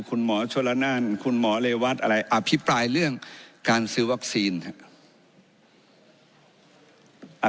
คุณหมอชนละนานคุณหมอเรวัตอะไรอภิปรายเรื่องการซื้อวัคซีนครับ